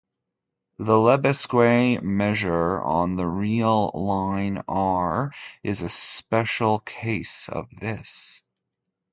The Lebesgue measure on the real line R is a special case of this.